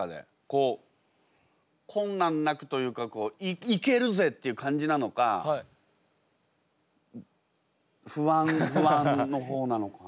こう困難なくというか「いけるぜ！」っていう感じなのか不安の方なのか。